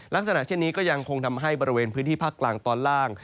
ลักษณะเช่นนี้ก็ยังคงทำให้บริเวณพื้นที่ภาคกลางตอนล่าง